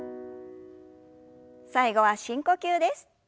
最後は深呼吸です。